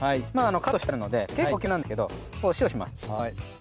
カットしてあるので結構大きめなんですけどお塩します。